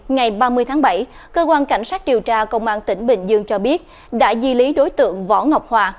ngày ba mươi tháng bảy cơ quan cảnh sát điều tra công an tỉnh bình dương cho biết đã di lý đối tượng võ ngọc hòa